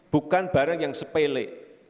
bukan barang yang sepele